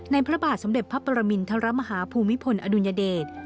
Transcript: ในพระบาทสมเด็จพระประมิณฑ์ทมภูมิพลอดุญเดช